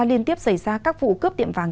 liên tiếp xảy ra các vụ cướp điện vàng